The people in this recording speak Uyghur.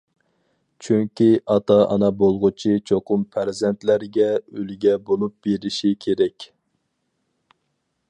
چۈنكى ئاتا-ئانا بولغۇچى چوقۇم پەرزەنتلەرگە ئۈلگە بولۇپ بېرىشى كېرەك.